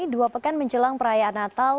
dua pekan menjelang perayaan natal